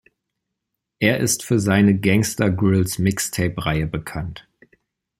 Er ist für seine "Gangsta-Grillz"-Mixtapereihe bekannt.